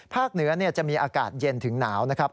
เหนือจะมีอากาศเย็นถึงหนาวนะครับ